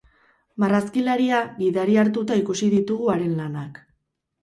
Marrazkilaria gidari hartuta ikusi ditugu haren lanak.